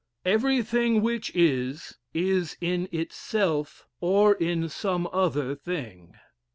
Everything which is, is in itself, or in some other thing.